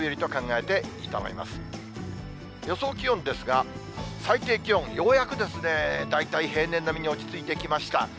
予想気温ですが、最低気温、ようやく大体平年並みに落ち着いてきました。